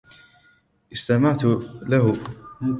استمعت له.